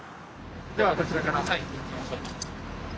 ではこちらから行きましょう。